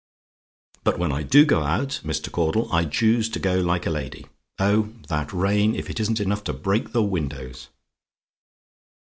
But when I do go out, Mr. Caudle, I choose to go like a lady. Oh! that rain if it isn't enough to break in the windows.